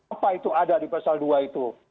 apa itu ada di pasal dua itu